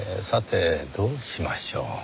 さてどうしましょう。